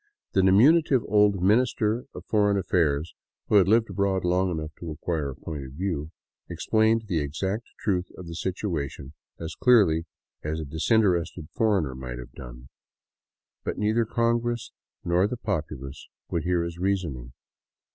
The diminutive old Minister of For eign Affairs, who had lived abroad long enough to acquire a point of view, explained the exact truth of the situation as clearly as a disin terested foreigner might have done. But. neither congress nor the populace would hear his reasoning.